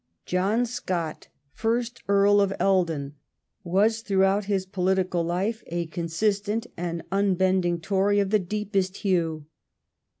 John Scott, first Earl of Eldon, was throughout his political life a consistent and unbending Tory of the deepest hue.